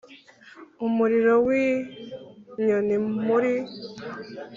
umuriro w'inyoni muri